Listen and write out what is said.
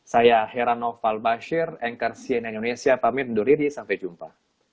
saya herano falbashir anchor cnn indonesia pamit undur diri sampai jumpa